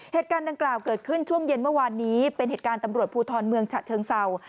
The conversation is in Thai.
เหตุการณ์ดังกล่าวเกิดขึ้นช่วงเย็นเมื่อวานนี้เป็นเหตุการณ์ตำรวจภูทรเมืองฉะเชิงเศร้า